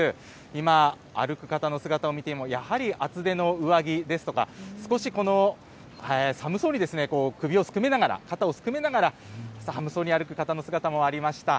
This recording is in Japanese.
今、歩く方の姿を見てもやはり厚手の上着ですとか少し寒そうに首をすくめながら、肩をすくめながら寒そうに歩く方の姿もありました。